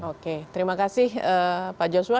oke terima kasih pak joshua